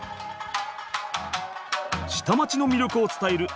下町の魅力を伝える